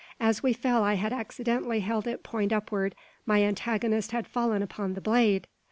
As we fell I had accidentally held it point upward. My antagonist had fallen upon the blade!